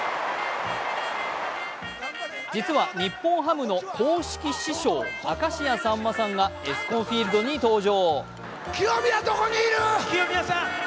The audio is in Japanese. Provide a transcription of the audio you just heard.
実は、日本ハムの公式師匠明石家さんまさんがＥＳＣＯＮＦＩＥＬＤに登場。